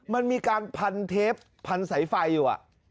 มันมีการพันเทปพันสายไฟอยู่